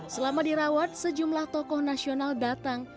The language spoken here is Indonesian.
selama dirawat sejumlah tokoh nasional datang